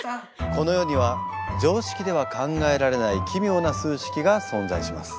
この世には常識では考えられない奇妙な数式が存在します。